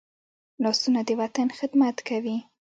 لاسونه د وطن خدمت کوي